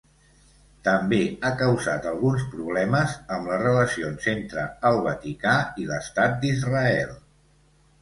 També ha causat alguns problemes amb les relacions entre el Vaticà i l'estat d'Israel.